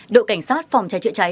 đội cảnh sát phòng trái trễ trái